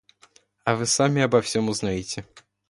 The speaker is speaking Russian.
Вы сами обо всем узнаете.